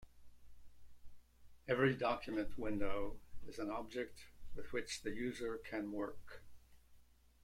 Every document window is an object with which the user can work.